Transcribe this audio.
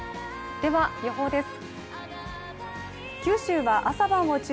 では、予報です。